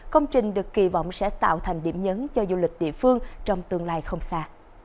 công trình được kỳ vọng sẽ tạo thành điểm nhấn cho du lịch địa phương trong tương lai không xa